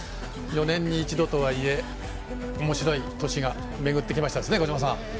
４年に一度とはいえおもしろい年が巡ってきましたね。